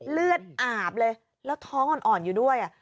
เลือดอาบเลยแล้วท้องอ่อนอยู่ด้วย